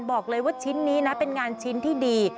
บอกเลยว่าชิ้นนี้นะเป็นงานชิ้นที่ดี